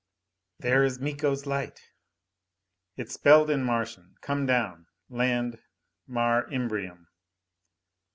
"There is Miko's light!" It spelled in Martian, _Come down. Land Mare Imbrium.